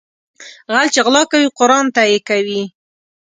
غل چې غلا کوي قرآن ته يې کوي